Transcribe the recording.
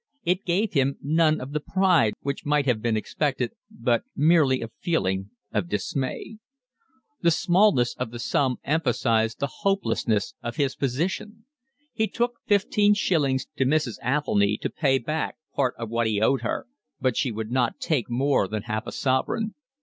It gave him none of the pride which might have been expected, but merely a feeling of dismay. The smallness of the sum emphasised the hopelessness of his position. He took fifteen shillings to Mrs. Athelny to pay back part of what he owed her, but she would not take more than half a sovereign.